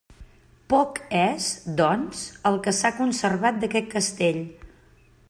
Poc és, doncs, el que s'ha conservat d'aquest castell.